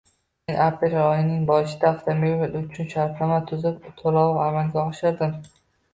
Men aprel oyining boshida avtomobil uchun shartnoma tuzib, to’lovni amalga oshirdim.